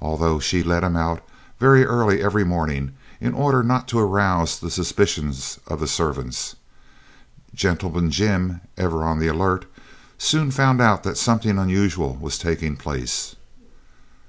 Although she let him out very early every morning in order not to arouse the suspicions of the servants, "Gentleman Jim," ever on the alert, soon found out that something unusual was taking place.